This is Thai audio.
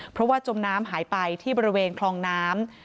เพราะว่าจมน้ำหายไปที่บริเวณคลองน้ำ